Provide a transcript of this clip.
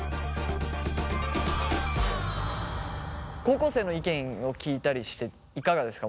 高校生の意見を聞いたりしていかがですか？